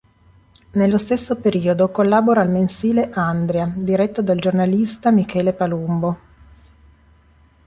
Nello stesso periodo collabora al mensile "Andria", diretto dal giornalista Michele Palumbo.